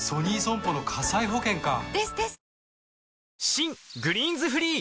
新「グリーンズフリー」